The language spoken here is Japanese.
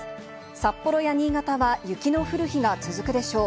札幌や新潟は雪の降る日が続くでしょう。